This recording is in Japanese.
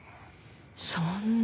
そんな。